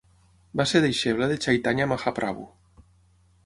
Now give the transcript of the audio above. Va ser deixeble de Chaitanya Mahaprabhu.